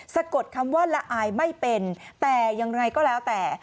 สะกดคำว่าละอายไม่เป็นแต่อย่างไรก็แล้วแต่